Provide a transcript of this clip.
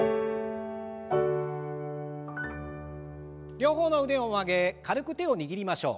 両方の腕を上げ軽く手を握りましょう。